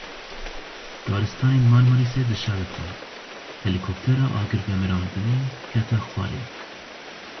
Daristanên Marmarîsê dişewitin, helîkoptera agirvemirandinê kete xwarê.